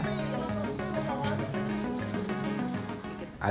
pemilik pam jaya pak jaya